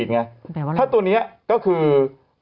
ถ้าตัวนี้ก็คือ